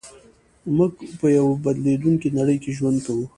موږ په يوه بدلېدونکې نړۍ کې ژوند کوو.